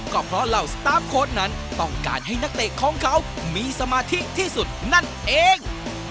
ก็เพราะเหล่าสตาร์ฟโค้ดนั้นต้องการให้นักเตะของเขามีสมาธิที่สุดนั่นเอง